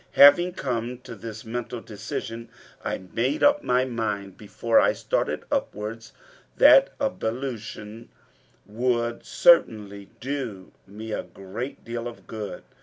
Having come to this mental decision, I made up my mind, before I started upwards, that ablution would certainly do me a great deal of good.